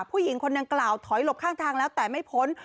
ผู้หญิงคนดังกล่าวถอยหลบข้างทางแล้วแต่ไม่พ้น